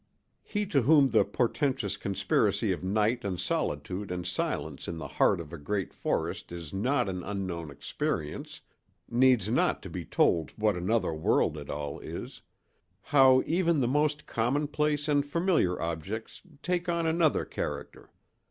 He to whom the portentous conspiracy of night and solitude and silence in the heart of a great forest is not an unknown experience needs not to be told what another world it all is—how even the most commonplace and familiar objects take on another character.